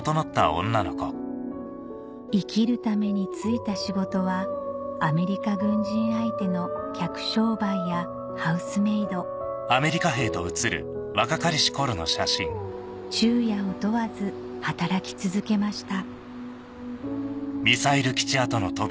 生きるために就いた仕事はアメリカ軍人相手の客商売やハウスメイド昼夜を問わず働き続けました